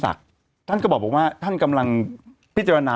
มันติดคุกออกไปออกมาได้สองเดือน